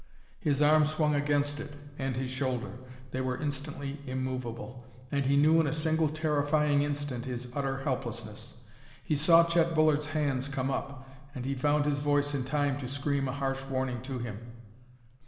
His arm swung against it, and his shoulder. They were instantly immovable. And he knew in a single terrifying instant his utter helplessness. He saw Chet Bullard's hands come up, and he found his voice in time to scream a harsh warning to him.